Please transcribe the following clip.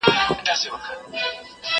چي پاتېږي له نسلونو تر نسلونو.